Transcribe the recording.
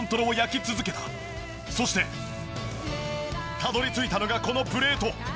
そしてたどり着いたのがこのプレート。